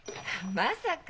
まさか。